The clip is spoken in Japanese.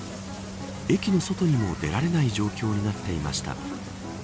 駅の外にも出られない状況になっていました。